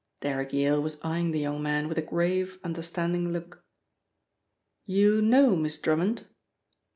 Derrick Yale was eyeing the young man with a grave, understanding look. "You know Miss Drummond?"